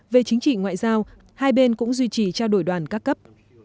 về chính trị ngoại giao hai bên cũng duy trì trao đổi đoàn các cấp